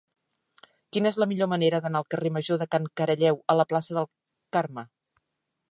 Quina és la millor manera d'anar del carrer Major de Can Caralleu a la plaça del Carme?